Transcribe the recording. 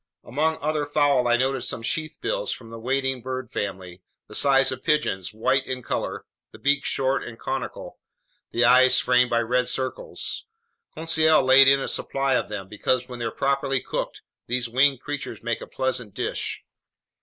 Among other fowl I noted some sheathbills from the wading bird family, the size of pigeons, white in color, the beak short and conical, the eyes framed by red circles. Conseil laid in a supply of them, because when they're properly cooked, these winged creatures make a pleasant dish.